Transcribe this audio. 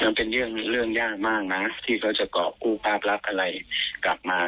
มันเป็นเรื่องยากมากนะที่เขาจะกรอบกู้ภาพลักษณ์อะไรกลับมา